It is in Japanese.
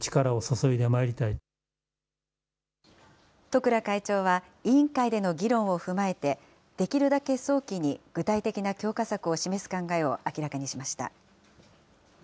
十倉会長は委員会での議論を踏まえて、できるだけ早期に具体的な強化策を示す考えを明らかにしました。